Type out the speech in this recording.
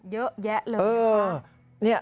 เยอะแยะเลยเร็ว